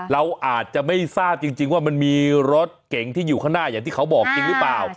เราอาจจะไม่ทราบจริงว่ามันมีรถเก่งที่อยู่ข้างหน้าอย่างที่เขาบอกจริงหรือเปล่า